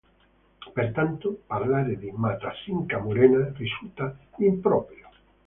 Pertanto, parlare di "Matra-Simca Murena" risulta improprio.